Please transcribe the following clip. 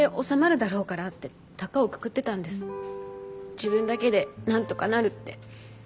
自分だけでなんとかなるって。